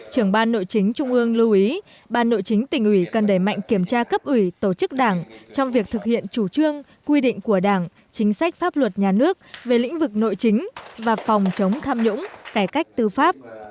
trưởng ban nội chính trung ương lưu ý ban nội chính tỉnh ủy cần đẩy mạnh kiểm tra cấp ủy tổ chức đảng trong việc thực hiện chủ trương quy định của đảng chính sách pháp luật nhà nước về lĩnh vực nội chính và phòng chống tham nhũng cải cách tư pháp